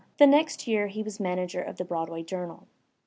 The next year he was manager of the Broadway Journal.